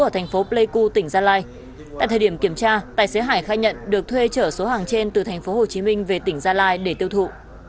tại địa điểm kiểm tra tài xế hải khai nhận được thuê trở số hàng trên từ tp hồ chí minh về tỉnh gia lai để tiêu thụ